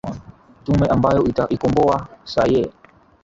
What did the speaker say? tume ambayo itaikombowa sayee